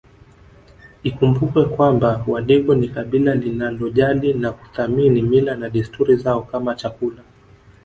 Ikumbukwe kwamba wadigo ni kabila linalojali na kuthamini mila na desturi zao kama chakula